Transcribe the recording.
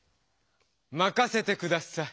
まかせて下さい。